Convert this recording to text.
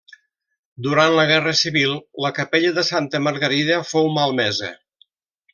Durant la Guerra Civil, la capella de Santa Margarida fou malmesa.